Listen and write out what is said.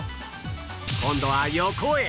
今度は横へ